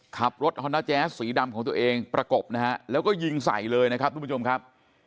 ขับรถฮอนด้าแจ๊สสีดำของตัวเองประกบนะฮะแล้วก็ยิงใส่เลยนะครับทุกผู้ชมครับ